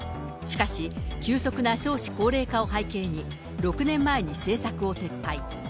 しかし、急速な少子高齢化を背景に、６年前に政策を撤廃。